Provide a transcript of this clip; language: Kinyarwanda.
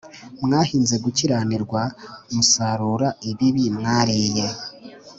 Mwahinze gukiranirwa musarura ibibi mwariye